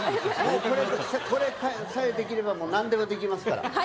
これさえできればなんでもできますから。